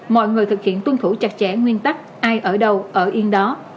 mọi người thực hiện tuân thủ chặt chẽ nguyên tắc ai ở đâu ở yên đó